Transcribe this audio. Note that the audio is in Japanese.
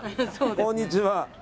こんにちは。